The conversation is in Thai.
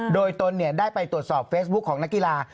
โดยตนได้ไปตรวจสอบเฟซบุ๊คของนักกีฬา